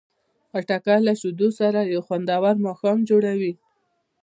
خټکی له شیدو سره یو خوندور ماښام جوړوي.